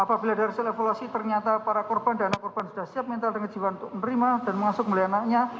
apabila dari sisi evaluasi ternyata para korban dan anak korban sudah siap mental dan kejiwaan untuk menerima dan mengasuhkan mulia anaknya